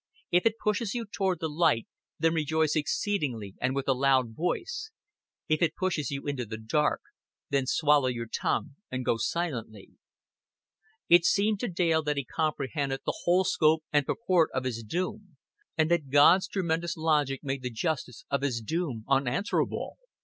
If it pushes you toward the light, then rejoice exceedingly and with a loud voice; if it pushes you into the dark, then swallow your tongue and go silently. It seemed to Dale that he comprehended the whole scope and purport of his doom, and that God's tremendous logic made the justice of his doom unanswerable.